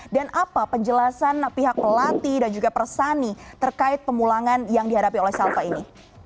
dan apa penjelasan pihak pelatih dan juga persani terkait pemulangan yang dihadapi oleh shalfa ini